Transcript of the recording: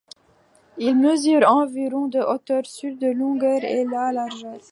Il mesure environ de hauteur sur de longueur et de largeur.